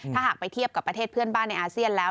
ถ้าหากไปเทียบกับประเทศเพื่อนบ้านในอาเซียนแล้ว